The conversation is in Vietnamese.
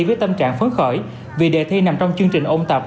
với tâm trạng phấn khởi vì đề thi nằm trong chương trình ôn tập